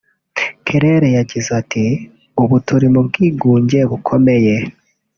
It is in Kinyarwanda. Claire yagize ati "Ubu turi mu bwigunge bukomeye